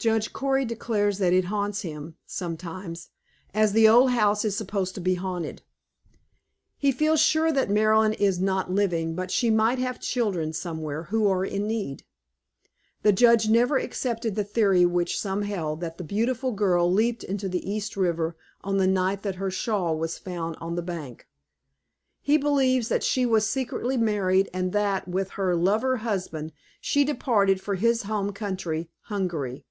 Judge Cory declares that it haunts him, sometimes, as the old house is supposed to be haunted. He feels sure that Marilyn is not living, but she might have children, somewhere, who are in need. The judge never accepted the theory which some held, that the beautiful girl leaped into the East River on the night that her shawl was found on the bank. He believes that she was secretly married and that, with her lover husband, she departed for his home country, Hungary."